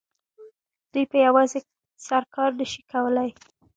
دوی په یوازې سر کار نه شي کولای